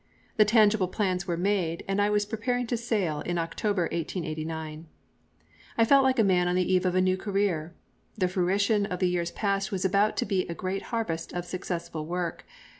The tangible plans were made, and I was preparing to sail in October, 1889. I felt like a man on the eve of a new career. The fruition of the years past was about to be a great harvest of successful work.